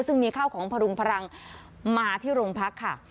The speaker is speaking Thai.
ซึ่งมีข้าวของพรุงพลังมาที่โรงพักค่ะ